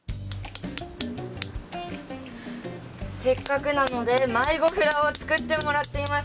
せっかくなので迷子札を作ってもらっています。